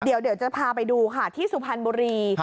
เดี๋ยวจะพาไปดูค่ะที่สุพรรณบุรี